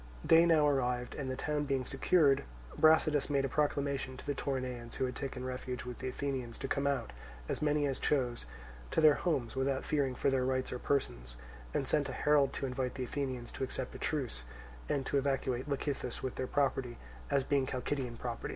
Day now arrived, and the town being secured, Brasidas made a proclamation to the Toronaeans who had taken refuge with the Athenians, to come out, as many as chose, to their homes without fearing for their rights or persons, and sent a herald to invite the Athenians to accept a truce, and to evacuate Lecythus with their property, as being Chalcidian ground.